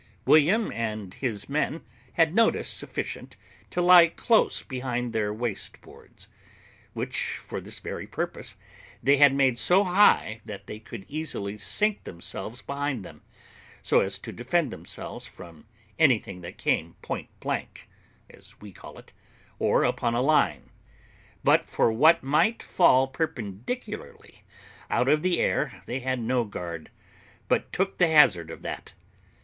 William and his men had notice sufficient to lie close behind their waste boards, which, for this very purpose, they had made so high that they could easily sink themselves behind them, so as to defend themselves from anything that came point blank (as we call it) or upon a line; but for what might fall perpendicularly out of the air they had no guard, but took the hazard of that.